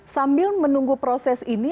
sambil menunggu proses ini